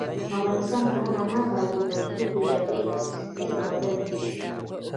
افغانستان تر هغو نه ابادیږي، ترڅو د جګړې ذهنیت بدل نه شي.